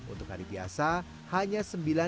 untuk hari biasa hanya